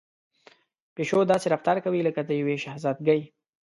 پيشو داسې رفتار کوي لکه د يوې شهزادګۍ.